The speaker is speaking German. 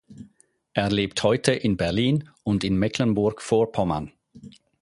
Er lebt heute in Berlin und in Mecklenburg-Vorpommern.